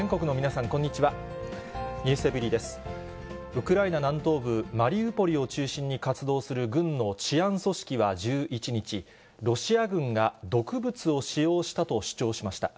ウクライナ南東部マリウポリを中心に活動する軍の治安組織は１１日、ロシア軍が毒物を使用したと主張しました。